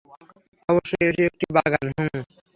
অবশ্যই এটি একটি বাগান - হুম।